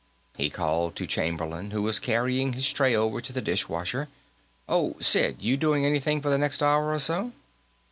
He called to Chamberlain, who was carrying his tray over to the dish washer. "Oh, Sid; you doing anything for the next hour or so?"